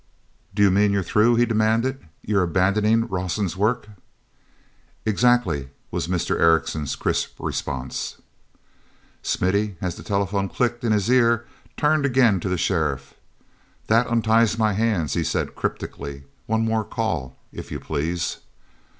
"Do you mean you're through?" he demanded. "You're abandoning Rawson's work?" "Exactly," was Mr. Erickson's crisp response. mithy, as the telephone clicked in his ear, turned again to the sheriff. "That unties my hands," he said cryptically. "One more call, if you please."